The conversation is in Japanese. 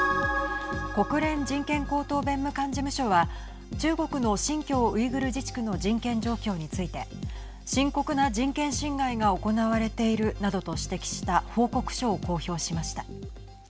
国連人権高等弁務官事務所は中国の新疆ウイグル自治区の人権状況について深刻な人権侵害が行われているなどと指摘した報告書を公表しました。